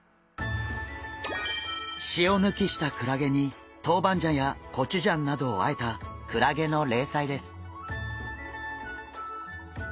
塩抜きしたクラゲにトウバンジャンやコチュジャンなどをあえたクラゲの冷菜です。